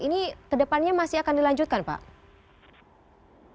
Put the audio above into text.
ini ke depannya masih akan dilanjutkan pak